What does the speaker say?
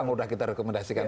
sudah kita rekomendasikan